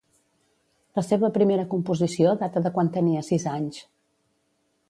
La seva primera composició data de quan tenia sis anys.